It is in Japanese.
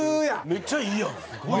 めっちゃいいやん。